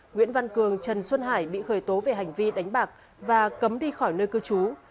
nguyễn văn cường trần xuân hải bị khởi tố về hành vi đánh bạc và cấm đi khỏi nơi cư trú